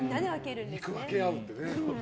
肉を分け合うって。